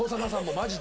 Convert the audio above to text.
マジで？